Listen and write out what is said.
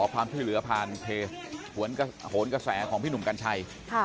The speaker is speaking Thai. ความช่วยเหลือผ่านเกษแหงของพี่หนุ่มกัญชัย